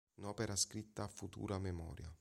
Un'opera scritta a futura memoria.